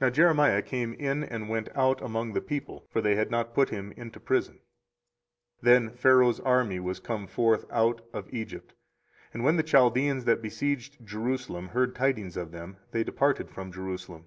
24:037:004 Now Jeremiah came in and went out among the people: for they had not put him into prison. 24:037:005 Then Pharaoh's army was come forth out of Egypt: and when the Chaldeans that besieged Jerusalem heard tidings of them, they departed from Jerusalem.